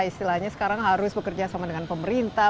istilahnya sekarang harus bekerja sama dengan pemerintah